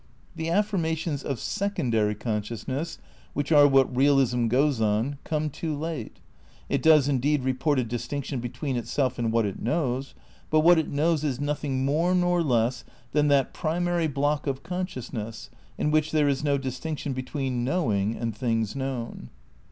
The affirmations of secondary consciousness (which are what realism goes on) come too late. It does indeed report a distinction between itself and what it knows ; but what it knows is nothing more nor less than that primary block of consciousness in which there is no distinction between knowing and things known.